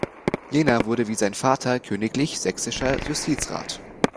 Jener wurde wie sein Vater königlich sächsischer Justizrat.